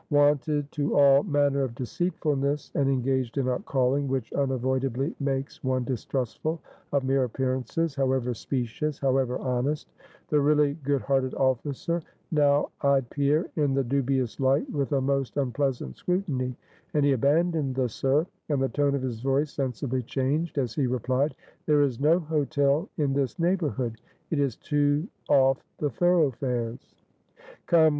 Wonted to all manner of deceitfulness, and engaged in a calling which unavoidably makes one distrustful of mere appearances, however specious, however honest; the really good hearted officer, now eyed Pierre in the dubious light with a most unpleasant scrutiny; and he abandoned the "Sir," and the tone of his voice sensibly changed, as he replied: "There is no hotel in this neighborhood; it is too off the thoroughfares." "Come!